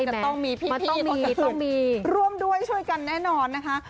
จะต้องมีพี่ต้องมีร่วมด้วยช่วยกันแน่นอนนะคะ